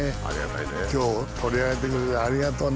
今日取り上げてくれてありがとうね。